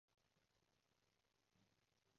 我都冇睇